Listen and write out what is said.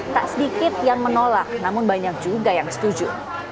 tak sedikit yang menolak namun banyak juga yang setuju